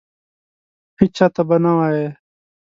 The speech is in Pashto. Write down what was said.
هیچا ته به نه وایې !